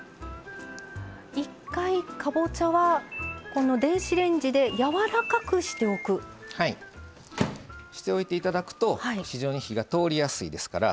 一回、かぼちゃは電子レンジでしておいていただくと非常に火が通りやすいですから。